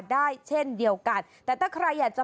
ได้เช่นเดียวกันแต่ถ้าใครอยากจะ